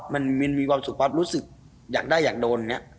มันมีความสุขปั๊บรู้สึกอยากได้อยากโดน